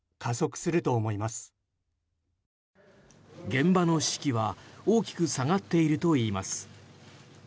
現場の士気は大きく下がっているといいます。